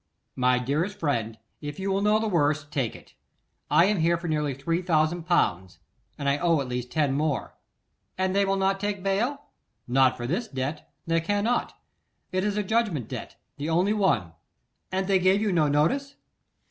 'My dearest friend, if you will know the worst, take it. I am here for nearly three thousand pounds, and I owe at least ten more.' 'And they will not take bail?' 'Not for this debt; they cannot. It is a judgment debt, the only one.' 'And they gave you no notice?